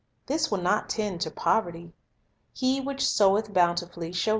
This will not tend to poverty. "He which soweth bountifully shall 1 Gal.